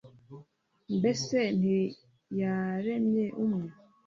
Mbese ntiyaremye umwe